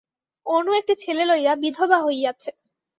অনু একটি ছেলে লইয়া বিধবা হইয়াছে।